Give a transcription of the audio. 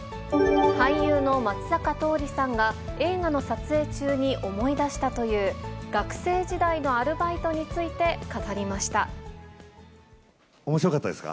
俳優の松坂桃李さんが映画の撮影中に思い出したという学生時代のおもしろかったですか？